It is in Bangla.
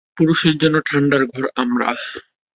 পুরুষের জন্য ঠান্ডার ঘর আমরা।